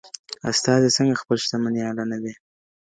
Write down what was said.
استازي څنګه خپل شتمني اعلانوي؟